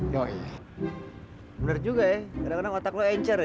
bener juga ya kadang kadang otak lo encer ya